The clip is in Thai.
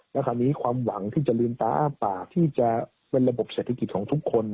และคราวนี้ความหวังที่จะลืมตาอ้าปากที่จะเป็นระบบเศรษฐกิจของทุกคน